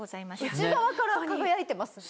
内側から輝いてますね。